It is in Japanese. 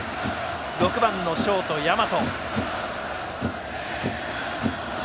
６番ショート、大和。